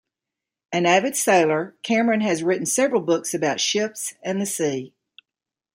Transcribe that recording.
An avid sailor, Cameron has written several books about ships and the sea.